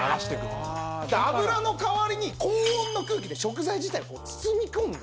油の代わりに高温の空気で食材自体を包みこむんです。